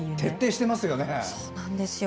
徹底してますよね。